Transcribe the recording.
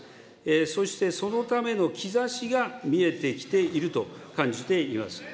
そしてそのための兆しが見えてきていると感じています。